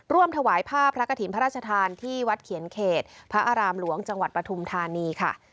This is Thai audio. ถวายผ้าพระกฐินพระราชทานที่วัดเขียนเขตพระอารามหลวงจังหวัดปฐุมธานีค่ะ